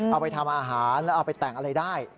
เอาไปทำอาหารแล้วเอาไปแต่งอะไรได้